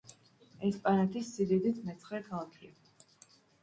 ესპანეთის სიდიდით მეცხრე ქალაქია.